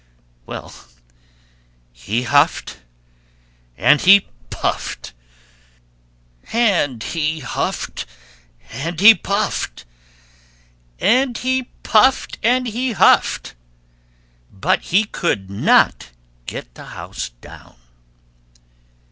Well, he huffed and he puffed, and he huffed and he puffed, and he puffed and he huffed; but he could not get the house down.